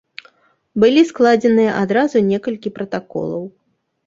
Былі складзеныя адразу некалькі пратаколаў.